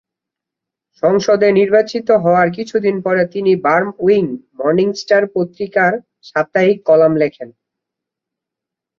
সংসদে নির্বাচিত হওয়ার কিছুদিন পরে তিনি বাম-উইং "মর্নিং স্টার" পত্রিকার সাপ্তাহিক কলাম লেখেন।